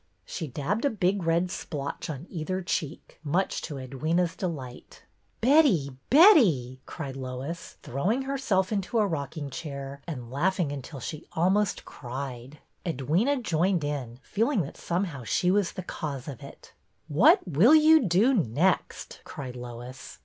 She dabbed a big red splotch on either cheek, much to Edwyna's delight. " Betty, Betty !" cried Lois, throwing herself into a rocking chair and laughing until she almost 214 BETTY BAIRD'S VENTURES cried. Edwyna joined in, feeling that somehow she was the cause of it. What will you do next? " cried Lois.